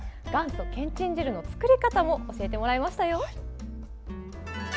元祖けんちん汁の作り方も教えてもらいましたよ。